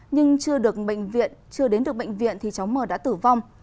nhưng chưa đến được bệnh viện thì cháu mờ đã tử vong